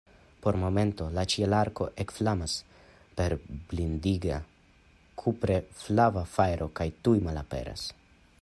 Por momento la ĉielarko ekflamas per blindiga kupre flava fajro kaj tuj malaperas.